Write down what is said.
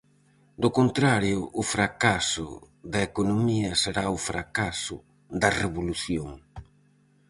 Do contrario, o fracaso da economía será o fracaso da Revolución.